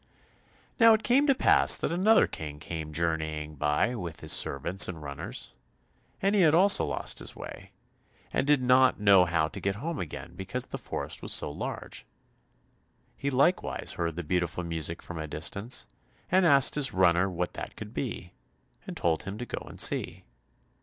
Now it came to pass that another King came journeying by with his attendants and runners, and he also had lost his way, and did not know how to get home again because the forest was so large. He likewise heard the beautiful music from a distance, and asked his runner what that could be, and told him to go and see.